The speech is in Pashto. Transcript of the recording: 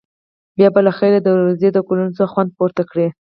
بیا به له خیره د روضې د ګلونو څخه خوند پورته کړې.